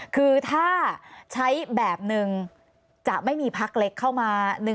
คือถ้าใช้แบบหนึ่งจะไม่มีพักเล็กเข้ามา